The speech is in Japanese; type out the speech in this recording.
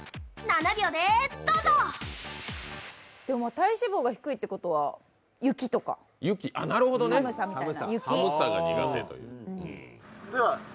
体脂肪が低いってことは雪とか、寒さみたいな。